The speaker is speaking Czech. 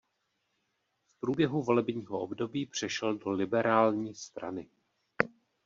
V průběhu volebního období přešel do Liberální strany.